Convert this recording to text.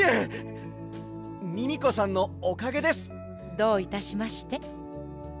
どういたしまして。